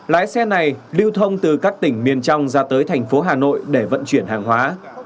lái xe này lưu thông từ các tỉnh miền trong ra tới thành phố hà nội để vận chuyển hàng hóa